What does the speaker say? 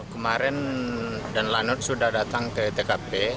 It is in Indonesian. kemarin dan lanut sudah datang ke tkp